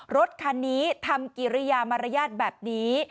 รถคันนี้ทำกิริยามารยาทแบบนี้